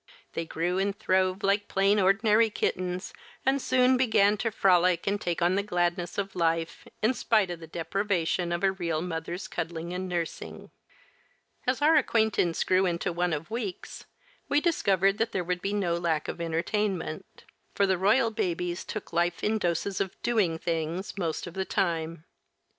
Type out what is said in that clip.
They grew and throve like plain ordinary kittens and soon began to frolic and take on the gladness of life, in spite of the deprivation of a real mother's cuddling and nursing. As our acquaintance grew into one of weeks, we discovered that there would be no lack of entertainment, for the royal babies took life in doses of "doing things" most of the time.